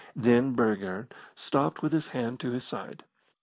Then Burger stopped with his hand to his side.